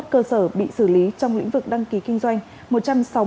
bốn mươi một cơ sở bị xử lý trong lĩnh vực đăng ký kinh doanh